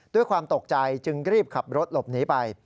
ด้วยความตกใจจึงรีบขับรถหลบหนีไป